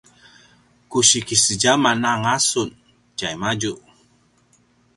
ku si kisedjaman anga sun tjaimadju